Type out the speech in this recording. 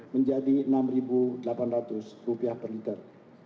menjadi rp enam delapan ratus per liter